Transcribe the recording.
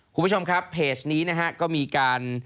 คุณผู้ชมครับเพจนี้นะฮะก็มีการ